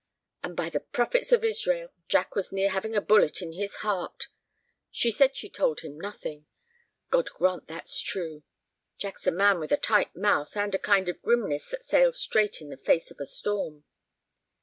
And, by the prophets of Israel, Jack was near having a bullet in his heart! She said she told him nothing. God grant that's true. Jack's a man with a tight mouth and a kind of grimness that sails straight in the face of a storm."